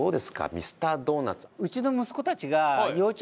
ミスタードーナツ。